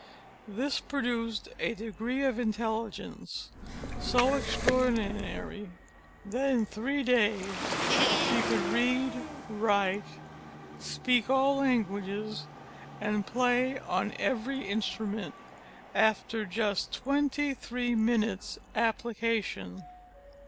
This produced a degree of intelligence so extraordinary, that in three days she could read, write, speak all languages, and play on every instrument after just twenty three minutes' application.